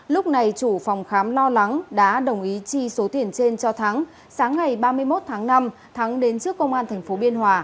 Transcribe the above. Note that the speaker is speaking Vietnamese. lúc này chủ phòng khám lo lắng đã đồng ý chi số tiền trên cho thắng sáng ngày ba mươi một tháng năm thắng đến trước công an tp biên hòa